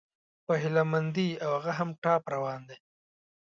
په هيله مندي، او هغه هم ټاپ روان دى